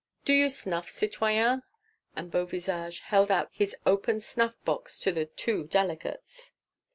Do you snuff, citoyens?" and Beauvisage held out his open snuff box to the two delegates.